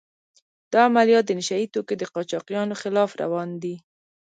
دا عملیات د نشه يي توکو د قاچاقچیانو خلاف روان دي.